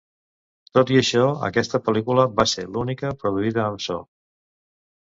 Tot i això, aquesta pel·lícula va ser l'única produïda amb so.